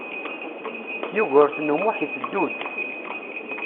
Yugurten U Muḥ iteddu-d.